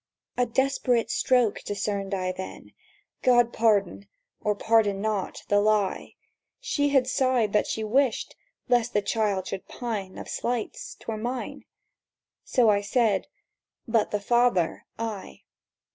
A desperate stroke discerned I then— God pardon—or pardon not—the lie; She had sighed that she wished (lest the child should pine Of slights) 'twere mine, So I said: "But the father I.